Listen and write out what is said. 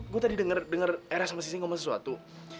gue tadi denger eras sama sisinya ngomong sesuatu